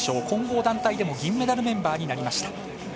混合団体でも銀メダルメンバーになりました。